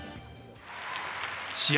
試合